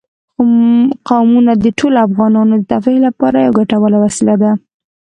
قومونه د ټولو افغانانو د تفریح لپاره یوه ګټوره وسیله ده.